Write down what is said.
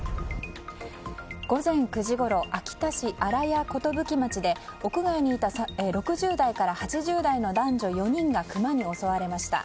午前９時ごろ秋田市新屋寿町で屋外にいた６０代から８０代の男女４人がクマに襲われました。